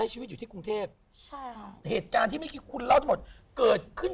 เหตุการณ์เกิดขึ้น